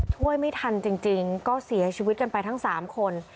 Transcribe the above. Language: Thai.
ถ้วยไม่ทันจริงจริงก็เสียชีวิตกันไปทั้งสามคน